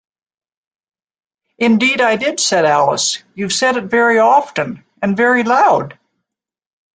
‘Indeed I did,’ said Alice: ‘you’ve said it very often—and very loud.